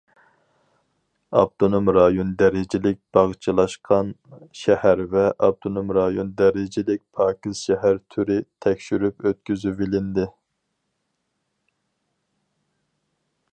ئاپتونوم رايون دەرىجىلىك باغچىلاشقان شەھەر ۋە ئاپتونوم رايون دەرىجىلىك پاكىز شەھەر تۈرى تەكشۈرۈپ ئۆتكۈزۈۋېلىندى.